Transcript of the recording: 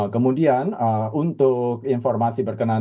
kemudian untuk informasi berkenan